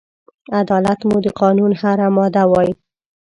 عدالت مو د قانون هره ماده وای